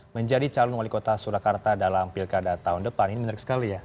menjadi calon wali kota surakarta dalam pilkada tahun depan ini menarik sekali ya